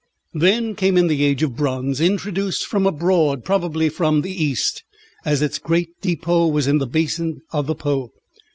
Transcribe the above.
Then came in the Age of Bronze, introduced from abroad, probably from the East, as its great depôt was in the basin of the Po.